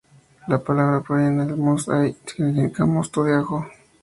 La palabra proviene de ""must de ai"", que significa "mosto de ajo".